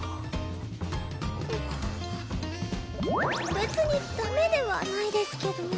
別にダメではないですけど。